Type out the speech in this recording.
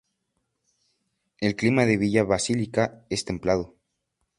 El clima de Villa Basílica es templado.